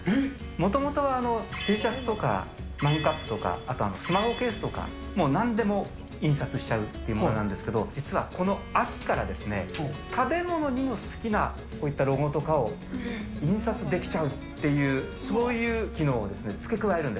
もともとは、Ｔシャツとかマグカップとか、あとスマホケースとか、なんでも印刷しちゃうってものなんですけど、実はこの秋から、食べ物にも好きな、こういったロゴとかを印刷できちゃうっていう、すごっ。